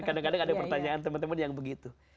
kadang kadang ada pertanyaan teman teman yang begitu